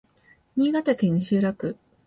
新潟市西蒲区